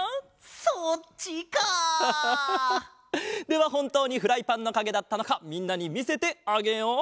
ではほんとうにフライパンのかげだったのかみんなにみせてあげよう。